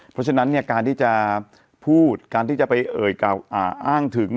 เพราะฉะนั้นการที่จะพูดการที่จะไปเอ่ยอ้างถึง